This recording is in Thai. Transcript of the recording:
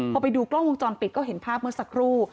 พอไปดูกล้องวงจรปิดก็เห็นภาพเมื่อสักครู่